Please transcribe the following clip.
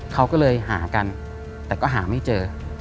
เขาก็เลยหากันแต่ก็หาไม่เจอ